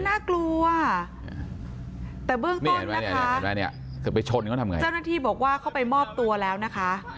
มันน่ากลัวแต่เบื้องต้นนะคะเจ้าหน้าที่บอกว่าเขาไปมอบตัวแล้วนะคะ